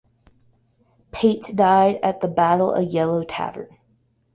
Pate died at the Battle of Yellow Tavern.